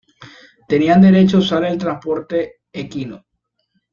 Tenían derecho a usar el transporte equino.